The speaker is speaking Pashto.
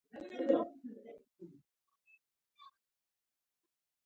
کيم ځي ئې